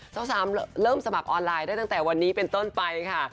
สามเริ่มสมัครออนไลน์ได้ตั้งแต่วันนี้เป็นต้นไปค่ะ